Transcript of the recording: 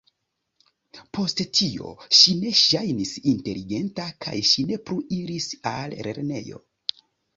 Post tio, ŝi ne ŝajnis inteligenta kaj ŝi ne plu iris al lernejo.